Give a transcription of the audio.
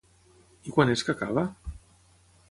I quan és que acaba?